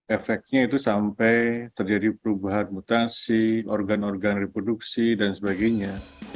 efeknya itu sampai terjadi perubahan mutasi organ organ reproduksi dan sebagainya